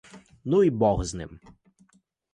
Ну й бог з ним!